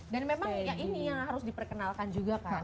dan memang ini yang harus diperkenalkan juga kan